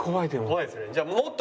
怖いですね。